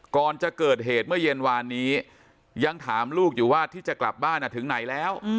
ก่อนจะเกิดเหตุเมื่อเย็นวานนี้ยังถามลูกอยู่ว่าที่จะกลับบ้านถึงไหนแล้ว